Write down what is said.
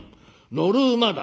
乗る馬だ」。